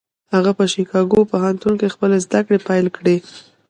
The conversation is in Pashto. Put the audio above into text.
هغه په شيکاګو پوهنتون کې خپلې زدهکړې پيل کړې.